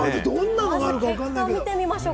結果を見てみましょう。